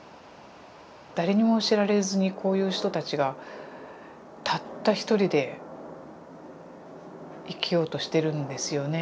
誰にも知られずにこういう人たちがたった一人で生きようとしてるんですよね。